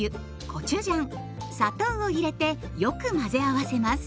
コチュジャン砂糖を入れてよく混ぜ合わせます。